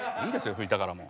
拭いたからもう。